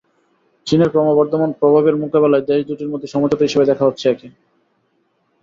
চীনের ক্রমবর্ধমান প্রভাবের মোকাবিলায় দেশ দুটির মধ্যে সমঝোতা হিসেবে দেখা হচ্ছে একে।